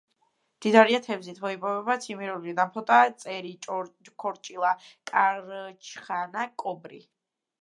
მდიდარია თევზით, მოიპოვება: ციმბირული ნაფოტა, წერი, ქორჭილა, კარჩხანა, კობრი.